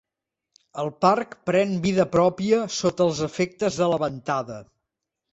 El parc pren vida pròpia sota els efectes de la ventada.